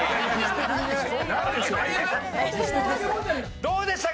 どうでしたか？